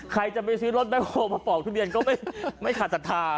ใครจะไปซื้อรถแบ็คโฮลมาปอกทุเรียนก็ไม่ขาดศรัทธา